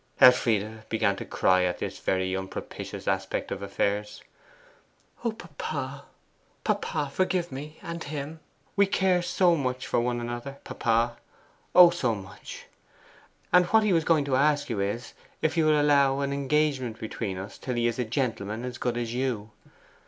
Elfride began to cry at this very unpropitious aspect of affairs. 'O papa, papa, forgive me and him! We care so much for one another, papa O, so much! And what he was going to ask you is, if you will allow of an engagement between us till he is a gentleman as good as you.